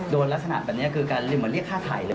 โดนลักษณะแบบนี้คือการเรียกค่าถ่ายเลย